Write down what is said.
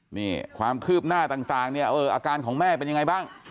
นี่ความคืบหน้าต่างเนี่ยเอออาการของแม่เป็นยังไงบ้าง